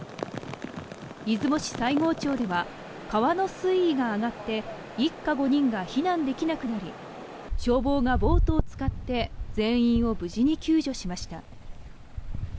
出雲市西郷町では、川の水位が上がって、一家５人が避難できなくなり、消防がボートを使って、全員を無事に救助しました。